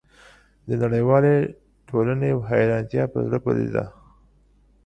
د نړیوالې ټولنې حیرانتیا په زړه پورې ده.